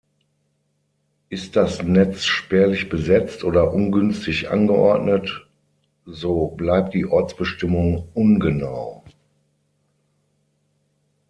Ist das Netz spärlich besetzt oder ungünstig angeordnet, so bleibt die Ortsbestimmung ungenau.